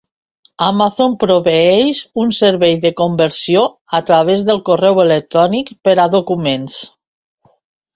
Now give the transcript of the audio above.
Amazon proveeix un servei de conversió a través del correu electrònic per a documents.